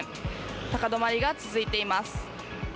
高止まりが続いています。